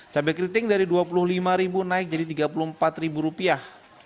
cabai keriting dari dua puluh lima ribu naik jadi tiga puluh empat rupiah